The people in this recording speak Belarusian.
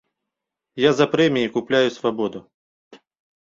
Я за прэміі купляю свабоду.